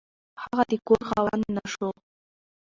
هغه د کور خاوند نه شو.